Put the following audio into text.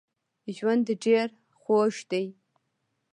ژوند ډېر خوږ دی